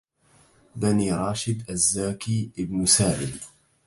بني راشد الزاكي ابن سالم